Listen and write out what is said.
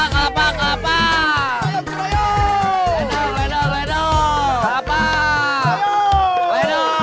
terima kasih kerja tidak kegila sebagai proses terakhir di kriteria ada portionsir reham namanya